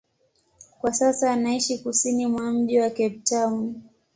Kwa sasa anaishi kusini mwa mji wa Cape Town.